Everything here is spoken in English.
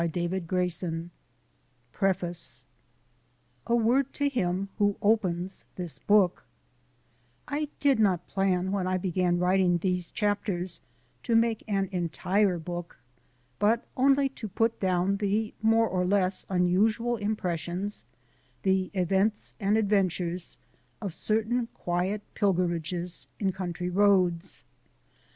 THE FRIENDLY ROAD A WORD TO HIM WHO OPENS THIS BOOK I did not plan when I began writing these chapters to make an entire book, but only to put down the more or less unusual impressions, the events and adventures, of certain quiet pilgrimages in country roads.